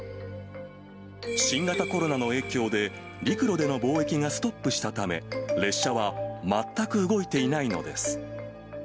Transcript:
新型コロナの影響で、陸路での貿易がストップしたため、列車は全く動いていないのです。